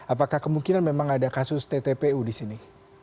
apakah kemungkinan memang ada kasus tppu disini